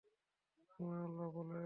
মহান আল্লাহ বলেন।